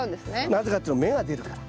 なぜかっていうのは芽が出るから。